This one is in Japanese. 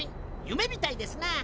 夢みたいですなあ。